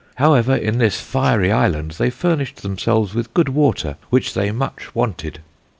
However, in this fiery Island, they furnished themselves with good water, which they much wanted.